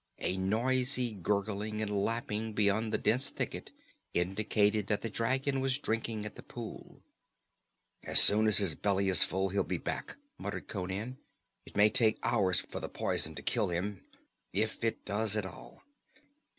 A noisy gurgling and lapping beyond the dense thicket indicated that the dragon was drinking at the pool. "As soon as his belly is full he'll be back," muttered Conan. "It may take hours for the poison to kill him if it does at all."